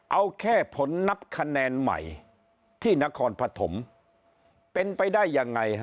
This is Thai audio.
เอาแค่ผลนับคะแนนใหม่ที่นครปฐมเป็นไปได้ยังไงฮะ